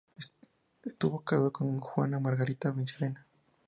Estuvo casado con Juana Margarita Michelena.